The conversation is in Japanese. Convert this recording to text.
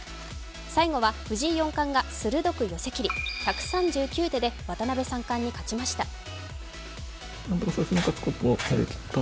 最後は藤井四冠が鋭く寄せきり１３９手で渡辺三冠に勝ちました。